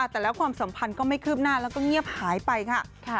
แต่แล้วความสัมพันธ์ก็ไม่คืบหน้าแล้วก็เงียบหายไปค่ะ